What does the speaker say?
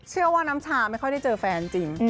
เชื่อว่าน้ำชาไม่ค่อยได้เจอแฟนจริง